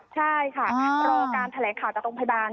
ใช่ค่ะรอการแถลงข่าวจากโรงพยาบาล